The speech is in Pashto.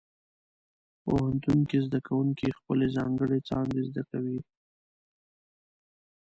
پوهنتون کې زده کوونکي خپلې ځانګړې څانګې زده کوي.